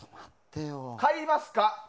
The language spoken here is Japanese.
買いますか？